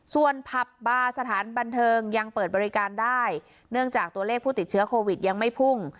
ส่วนผับบาร์สถานบันเทิงยังเปิดบริการได้เนื่องจากตัวเลขผู้ติดเชื้อโควิดยังไม่พุ่ง